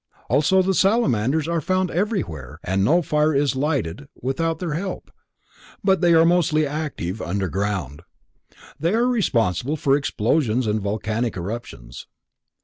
Also the salamanders are found everywhere and no fire is lighted without their help, but they are mostly active underground. They are responsible for explosions and volcanic eruptions.